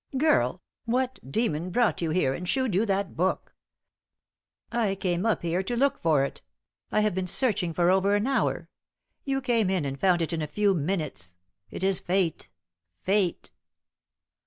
Girl, what demon brought you here and shewed you that book? I came up here to look for it; I have been searching for over an hour. You came in and found it in a few minutes. It is fate fate."